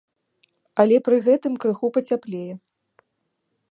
Але пры гэтым крыху пацяплее.